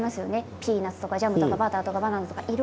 ピーナツとかジャムとかバターとかバナナとか。